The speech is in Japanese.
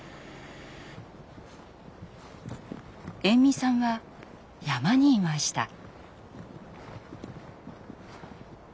延味さんは山にいました。